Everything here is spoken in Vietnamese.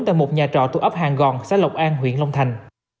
tại một nhà trọ thuộc ấp hàng gòn xã lộc an huyện long thành